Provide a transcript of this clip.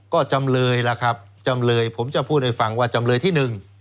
ก็จำเลยผมจะพูดให้ฟังว่าจำเลยที่๑